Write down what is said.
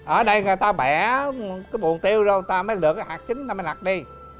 ở đây người ta bẻ cái bụng tiêu ra người ta mới lựa cái hạt chính người ta mới lật đi